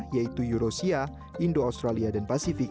yaitu eurosia indo australia dan pasifik